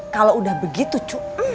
kalo udah begitu cu